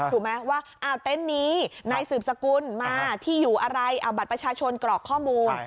ถูกไหมว่าเต็นต์นี้นายสืบสกุลมาที่อยู่อะไรเอาบัตรประชาชนกรอกข้อมูล